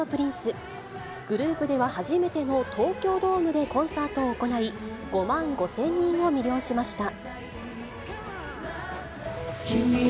グループでは初めての東京ドームでコンサートを行い、５万５０００人を魅了しました。